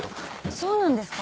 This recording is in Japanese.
そうなんですか？